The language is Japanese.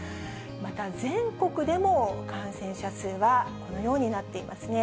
また全国でも感染者数はこのようになっていますね。